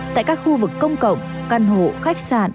tại các khu vực công cộng căn hộ khách sạn